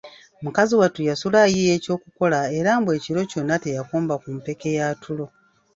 Mukazi wattu yasula ayiiya ekyokukola era mbu ekiro kyonna teyakomba ku mpeke ya tulo.